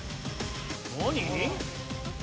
何？